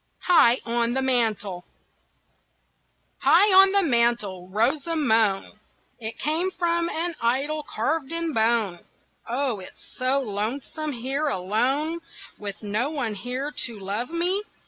HIGH ON THE MANTEL High on the mantel rose a moan It came from an idol carved in bone "Oh, it's so lonesome here alone, With no one near to love me!"